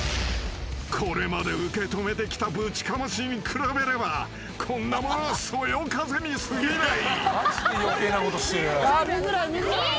［これまで受け止めてきたぶちかましに比べればこんなものはそよ風にすぎない］